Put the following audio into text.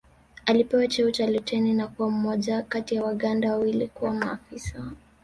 Alipewa cheo cha luteni na kuwa mmoja kati wa Waganda wawili kuwa maafisa